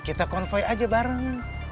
kita konvoy aja bareng